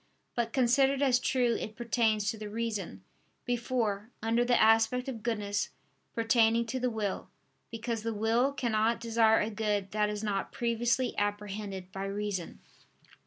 But considered as true it pertains to the reason, before, under the aspect of goodness, pertaining to the will: because the will cannot desire a good that is not previously apprehended by reason.